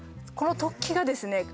この突起がですね